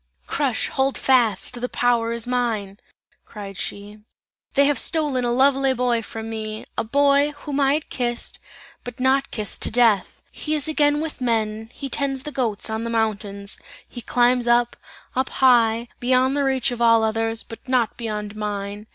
"Crush, hold fast! the power is mine!" cried she. "They have stolen a lovely boy from me, a boy, whom I had kissed, but not kissed to death. He is again with men, he tends the goats on the mountains; he climbs up, up high, beyond the reach of all others, but not beyond mine!